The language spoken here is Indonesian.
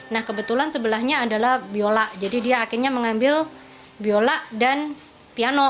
nah kebetulan sebelahnya adalah biola jadi dia akhirnya mengambil biola dan piano